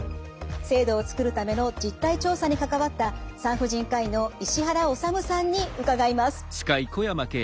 制度を作るための実態調査に関わった産婦人科医の石原理さんに伺います。